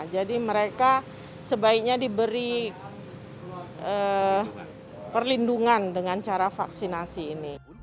jadi mereka sebaiknya diberi perlindungan dengan cara vaksinasi ini